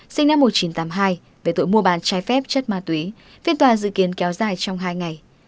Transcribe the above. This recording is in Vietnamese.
sinh năm một nghìn chín trăm tám mươi hai về tội mua bán trái phép chất ma túy phiên tòa dự kiến kéo dài trong hai ngày